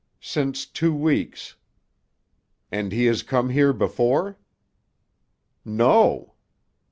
"Since two weeks." "And he has come here before?" "No."